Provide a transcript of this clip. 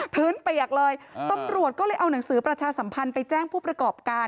เปียกเลยตำรวจก็เลยเอาหนังสือประชาสัมพันธ์ไปแจ้งผู้ประกอบการ